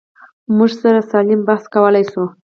موږ سره سالم بحث کولی شو.